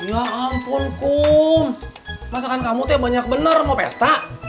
ya ampun kum masakan kamu tuh banyak bener mau pesta